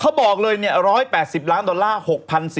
เขาบอกเลยเนี่ย๑๘๐ล้านบาท